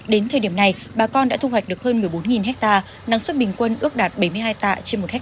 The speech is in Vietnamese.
đến thời điểm này bà con đã thu hoạch được hơn một mươi bốn ha năng suất bình quân ước đạt bảy mươi hai tạ trên một ha